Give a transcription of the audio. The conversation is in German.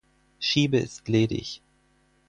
Schiebe ist ledig.